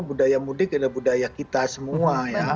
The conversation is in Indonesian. budaya mudik adalah budaya kita semua ya